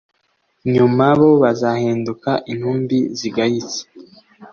Nyuma bo bazahinduka intumbi zigayitse,